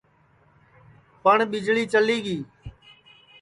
پٹؔ ٻیجݪی چلی گی